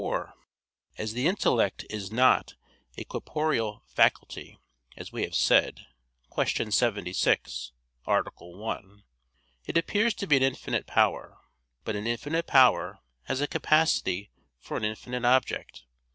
4: Further, as the intellect is not a corporeal faculty, as we have said (Q. 76, A. 1), it appears to be an infinite power. But an infinite power has a capacity for an infinite object.